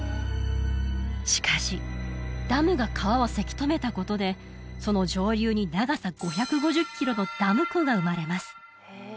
しかしダムが川をせき止めたことでその上流に長さ５５０キロのダム湖が生まれます